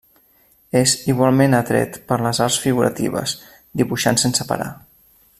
És igualment atret per les arts figuratives, dibuixant sense parar.